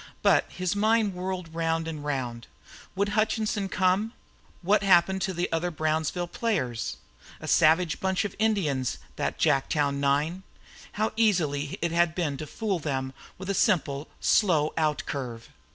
But his mind whirled round and round. Would Hutchinson come? What had happened to the other Brownsville players? A savage bunch of Indians, that Jacktown nine! How easy it had been to fool them with a simple, slow outcurve!